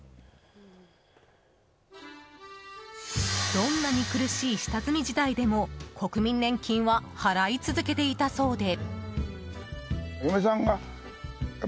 どんなに苦しい下積み時代でも国民年金は払い続けていたそうで。